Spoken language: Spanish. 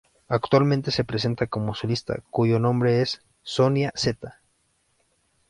Actualmente se presenta como solista, cuyo nombre es "Sonia Z".